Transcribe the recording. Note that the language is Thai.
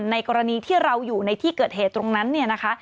ในกรณีที่เราอยู่ในที่เกิดเหตุตรงนั้น